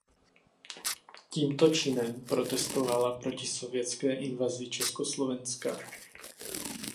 Tímto činem protestovala proti sovětské invazi Československa.